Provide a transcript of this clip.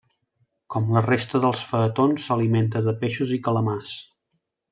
Com la resta dels faetons, s'alimenta de peixos i calamars.